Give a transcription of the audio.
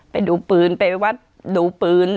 ไปดูปืนไปวัดดูปืน